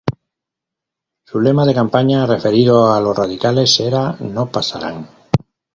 Su lema de campaña, referido a los radicales, era "¡No pasarán!